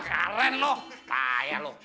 keren lu kaya lu